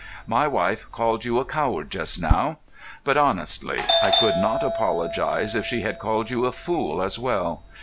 "My wife called you a coward just now; but, honestly, I could not apologise if she had called you a fool as well.